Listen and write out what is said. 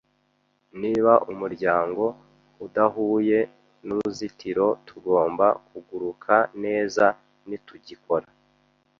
Niba umuryango udahuye nuruzitiro, tugomba kuguruka neza nitugikora.